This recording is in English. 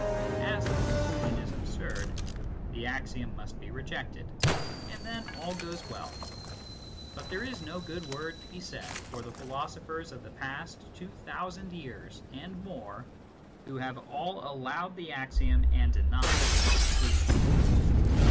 As the con clusion is absurd, the axiom must be rejected, and then all goes well. But there is no good word to be said for the philosophers of the past two thousand years and more, who have all allowed the axiom and denied the conclusion.